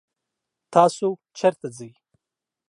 تاسو چرته ځئ؟